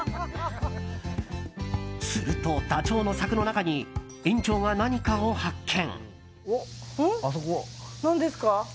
するとダチョウの柵の中に園長が何かを発見。